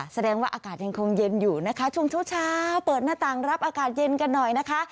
แสดงว่าอากาศยังคงเย็นอยู่นะคะช่วงเช้าเปิดหน้าต่างรับอากาศเย็นกันหน่อยนะคะ